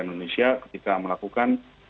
indonesia ketika melakukan